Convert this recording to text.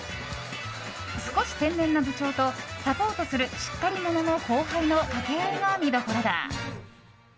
少し天然な部長とサポートするしっかり者の後輩の掛け合いが見どころだ。